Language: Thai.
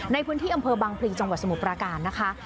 ในพื้นที่อำเภอบังพลีจังหวัดสมุทรปราการนะคะ